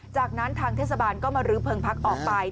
จากนั้นทางเทศบาลก็มาลื้อเพลิงพักออกไป